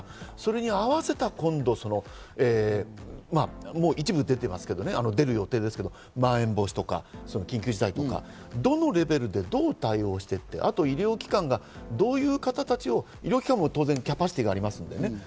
それに合わせたもう一度出ていますけど、出る予定ですけど、まん延防止とか緊急事態とか、どのレベルでどう対応していて、あと医療機関がどういう方達を当然キャパシティーがありますからね。